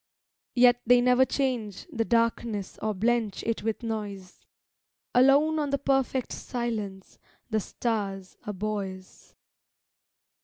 Yet they never change the darkness Or blench it with noise; Alone on the perfect silence The stars are buoys.